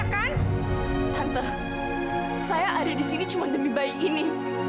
tante saya ada disini cuma demi bayi ini